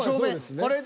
これで。